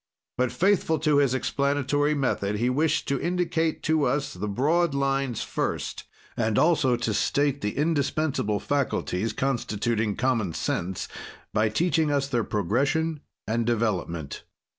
But faithful to his explanatory method, he wished to indicate to us the broad lines first, and also to state the indispensable faculties constituting common sense, by teaching us their progression and development.